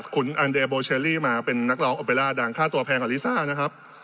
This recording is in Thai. คุณอันเดโบเชอรี่มาเป็นนักร้องโอเบล่าดังค่าตัวแพงกว่าลิซ่านะครับ